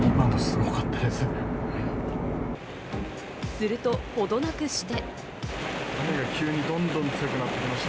すると、ほどなくして。